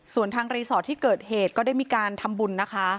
ส่วนทางรีสอร์ทที่เกิดเหตุก็ได้มีการทำบุญนะคะ